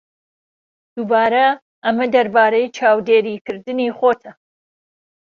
دووبارە، ئەمە دەربارەی چاودێریکردنی خۆتە.